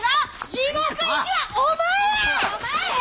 地獄行きはお前や！